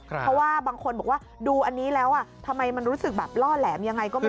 เพราะว่าบางคนบอกว่าดูอันนี้แล้วทำไมมันรู้สึกแบบล่อแหลมยังไงก็ไม่รู้